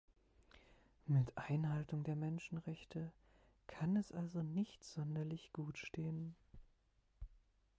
Mit der Einhaltung der Menschenrechte kann es also nicht sonderlich gut stehen.